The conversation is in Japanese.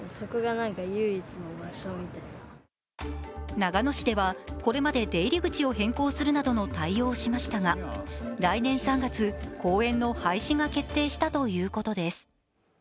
長野市では、これまで出入り口を変更するなどの対応をしましたが来年３月、公園の廃止が決定したということです。